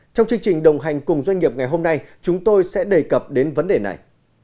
trong chương trình đồng hành cùng doanh nghiệp ngày hôm nay chúng tôi sẽ đề cập đến vấn đề này